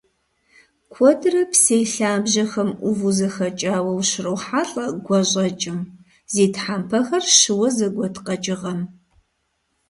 Куэдрэ псей лъабжьэхэм Ӏуву зэхэкӀауэ ущрохьэлӀэ гуащӀэкӀым - зи тхьэмпэхэр щыуэ зэгуэт къэкӀыгъэм.